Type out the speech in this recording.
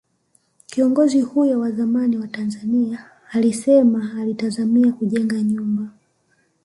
Kiongozi huyo wa zamani wa Tanzania alisema alitazamia kujenga nyumba